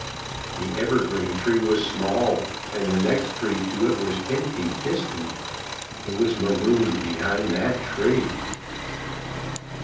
The evergreen tree was small, and the next tree to it was ten feet distant. He was marooned behind that tree.